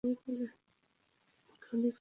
খুনি খুবই চালাক।